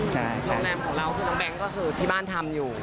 ช่ายน้องแบงก์ก็คือที่บ้านทำอยู่